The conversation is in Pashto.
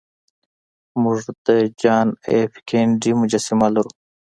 موږ د جان ایف کینیډي مجسمه لرو